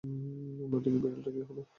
আমরা দেখি বিড়ালটার কী হলো।